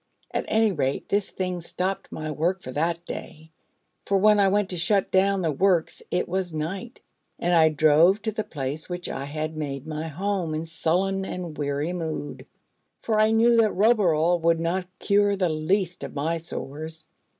At any rate, this thing stopped my work for that day, for when I went to shut down the works it was night; and I drove to the place which I had made my home in sullen and weary mood: for I knew that Roboral would not cure the least of all my sores.